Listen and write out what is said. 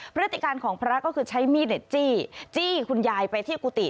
พฤติการของพระก็คือใช้มีดจี้จี้คุณยายไปที่กุฏิ